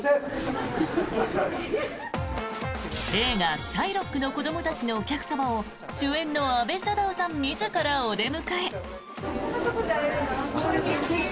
映画「シャイロックの子供たち」のお客様を主演の阿部サダヲさん自らお出迎え。